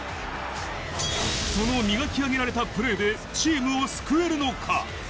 その磨き上げられたプレーで、チームを救えるのか？